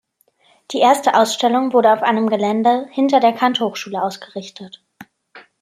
Die erste Ausstellung wurde auf einem Gelände hinter der Kant-Hochschule ausgerichtet.